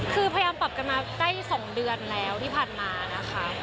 คือพยายามปรับกันมาได้๒เดือนแล้วที่ผ่านมานะคะ